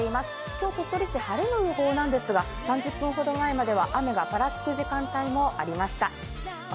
今日、鳥取市は晴れの予報なんですが、３０分ほど前までは雨がぱらつく時間帯もありました。